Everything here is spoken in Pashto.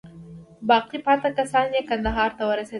باقي پاته کسان یې کندهار ته ورسېدل.